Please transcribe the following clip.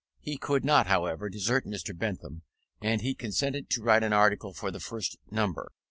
He could not, however, desert Mr. Bentham, and he consented to write an article for the first number.